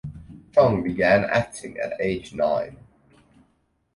Chong began acting at age nine.